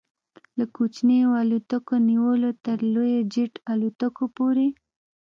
له کوچنیو الوتکو نیولې تر لویو جيټ الوتکو پورې